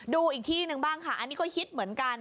ดูอีกที่หนึ่งบ้างค่ะอันนี้ก็ฮิตเหมือนกัน